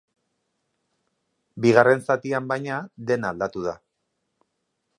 Bigarren zatian, baina, dena aldatu da.